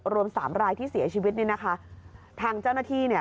รวมสามรายที่เสียชีวิตเนี่ยนะคะทางเจ้าหน้าที่เนี่ย